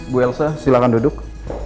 bu elsa silahkan duduk